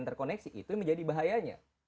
terkoneksi itu menjadi bahayanya